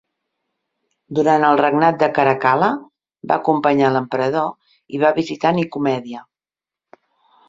Durant el regnat de Caracal·la, va acompanyar l'emperador i va visitar Nicomèdia.